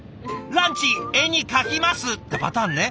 「ランチ絵に描きます」ってパターンね。